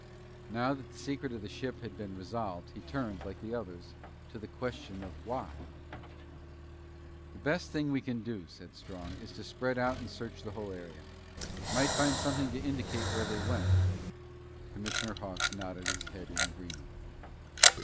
Now that the secret of the ship had been resolved, he turned, like the others, to the question of why? "I think the best thing we can do," said Strong, "is to spread out and search the whole area. Might find something to indicate where they went." Commissioner Hawks nodded his head in agreement.